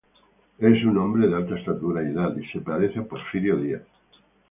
Es un hombre de alta estatura y edad, y se parece a Porfirio Díaz.